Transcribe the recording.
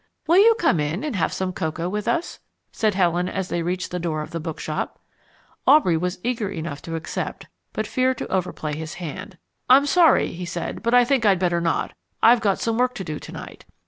"Will you come in and have some cocoa with us?" said Helen as they reached the door of the bookshop. Aubrey was eager enough to accept, but feared to overplay his hand. "I'm sorry," he said, "but I think I'd better not. I've got some work to do to night.